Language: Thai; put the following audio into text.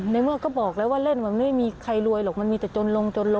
ในเมื่อก็บอกแล้วว่าเล่นมันไม่มีใครรวยหรอกมันมีแต่จนลงจนลง